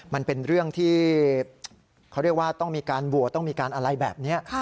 มันเป็นเรื่องที่เขาเรียกว่าต้องมีการโหวตต้องมีการอะไรแบบนี้